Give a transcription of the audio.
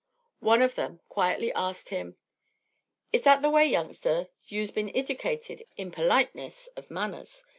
One of them quietly asked him "Is that the way, youngster, you'se bin eddicated in perliteniss of manners?